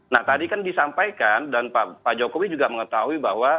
nah tadi kan disampaikan dan pak jokowi juga mengetahui bahwa